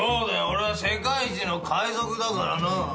俺は世界一の海賊だからな。